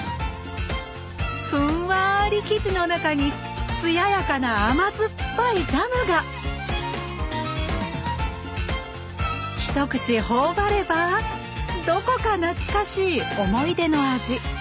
ふんわり生地の中に艶やかな甘ずっぱいジャムが一口頬張ればどこか懐かしい思い出の味。